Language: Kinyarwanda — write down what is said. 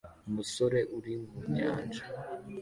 Umusore uri mu nyanja